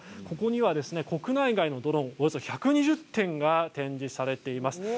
ここには国内外のドローンおよそ１２０点が展示されています。